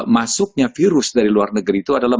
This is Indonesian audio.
masuknya virus dari luar negeri itu adalah